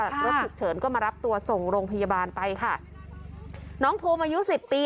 รถฉุกเฉินก็มารับตัวส่งโรงพยาบาลไปค่ะน้องภูมิอายุสิบปี